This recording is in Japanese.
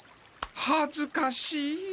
はずかしい。